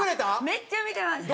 めっちゃ見てました。